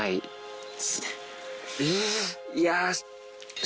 いや。